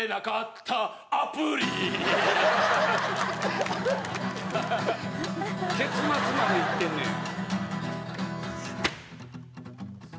「アプリ」結末までいってんねや。